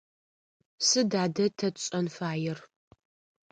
Сыд адэ тэ тшӏэн фаер?